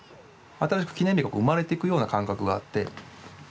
新しく記念日が生まれてくような感覚があって。